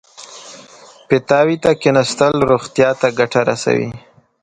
پیتاوي ته کېناستل روغتیا ته ګټه رسوي.